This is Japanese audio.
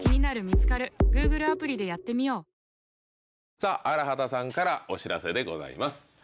さぁ荒畑さんからお知らせでございます。